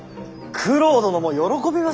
九郎殿も喜びまする！